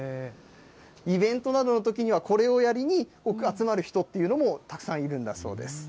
イベントなどのときには、これをやりに集まる人っていうのもたくさんいるんだそうです。